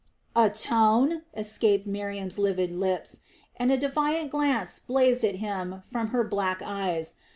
"Atone?" escaped Miriam's livid lips, and a defiant glance blazed at him from her black eyes.